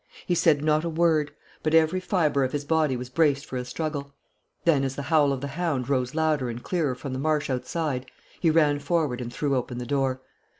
He said not a word, but every fibre of his body was braced for a struggle. Then, as the howl of the hound rose louder and clearer from the marsh outside, he ran forward and threw open the door.